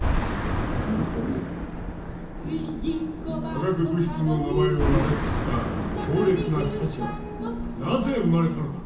化学物質の名前を羅列した強烈な歌詞はなぜ生まれたのか？